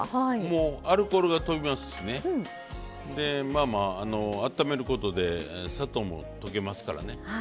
もうアルコールがとびますしねまあまああっためることで砂糖も溶けますからね。